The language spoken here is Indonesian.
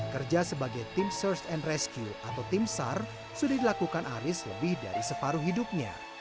kerja sebagai tim search and rescue atau tim sar sudah dilakukan aris lebih dari separuh hidupnya